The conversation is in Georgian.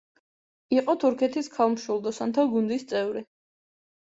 იყო თურქეთის ქალ მშვილდოსანთა გუნდის წევრი.